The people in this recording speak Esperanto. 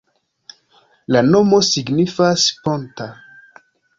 La nomo signifas: ponta.